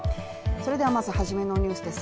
それではまず初めのニュースです。